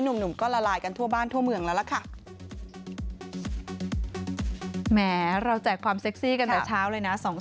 หนุ่มก็ละลายกันทั่วบ้านทั่วเมืองแล้วล่ะค่ะ